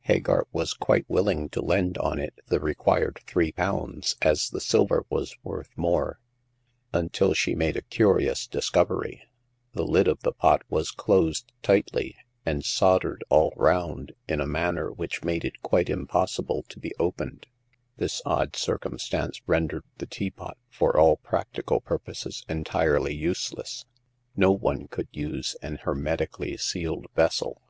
Hagar was quite willing to lend on it the required three pounds, as the silver was worth more, until she made a curious discovery. The lid of the pot was closed tightly, and soldered all round, in a manner which made it quite impossible to be opened. This odd circumstance rendered the teapot for all practical purposes entirely useless ; no one could use an hermetically sealed vessel.